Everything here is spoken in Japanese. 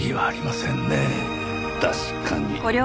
確かに。